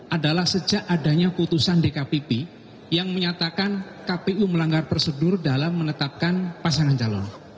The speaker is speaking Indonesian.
adalah sejak adanya putusan dkpp yang menyatakan kpu melanggar prosedur dalam menetapkan pasangan calon